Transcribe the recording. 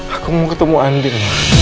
aku mau ketemu andin